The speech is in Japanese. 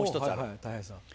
はいたい平さん。